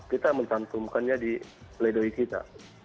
kita mencumumkannya di ledoi kita